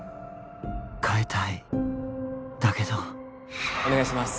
変えたいだけどお願いします